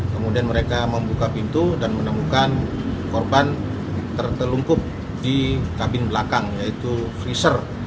kemudian mereka membuka pintu dan menemukan korban tertelungkup di kabin belakang yaitu freezer